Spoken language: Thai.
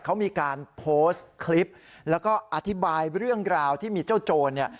เขามีการโพสต์คลิปแล้วก็อธิบายเรื่องราวที่มีเจ้าโจรเนี่ย